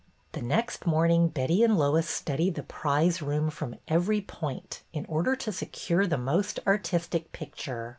The next morning Betty and Lois studied the prize room from every point, in order to secure the most artistic picture.